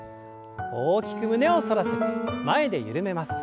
大きく胸を反らせて前で緩めます。